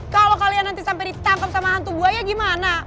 kalau kalian nanti sampai ditangkap sama hantu buaya gimana